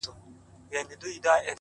لكه ملا؛